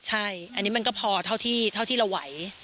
ใช่อันนี้มันก็พอเท่าที่เราไหว